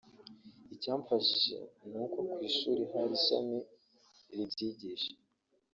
Icyamfashije ni uko ku ishuri hari ishami ribyigisha